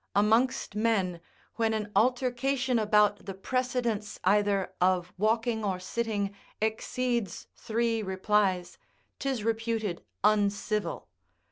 Amongst men, when an altercation about the precedence either of walking or sitting exceeds three replies, 'tis reputed uncivil.